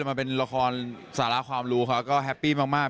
มันเป็นละครสาระความรู้เขาก็แฮปปี้มาก